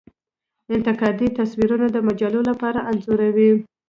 انتقادي تصویرونه د مجلو لپاره انځوروي.